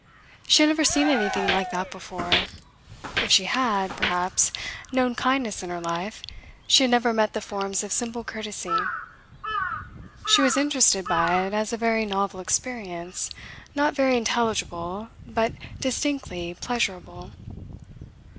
She had never seen anything like that before. If she had, perhaps, known kindness in her life, she had never met the forms of simple courtesy. She was interested by it as a very novel experience, not very intelligible, but distinctly pleasurable.